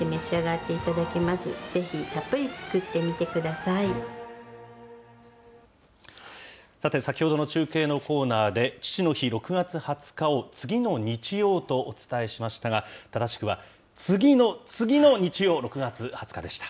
さて、先ほどの中継のコーナーで、父の日６月２０日を、次の日曜とお伝えしましたが、正しくは次の次の日曜、６月２０日でした。